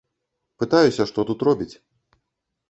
Пытаюся, што тут робіць.